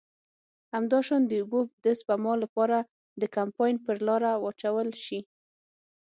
همداشان د اوبو د سپما له پاره د کمپاین پر لاره واچول شي.